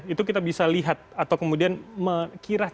itu kita bisa lihat atau kemudian kira kira mana yang bisa kita lihat